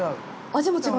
味も違う。